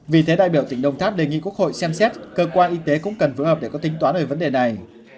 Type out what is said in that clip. vì thế đại biểu tỉnh đồng tháp đề nghị quốc hội xem xét cơ quan y tế cũng cần phù hợp để có tính toán về vấn đề này